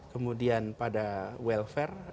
kemudian pada welfare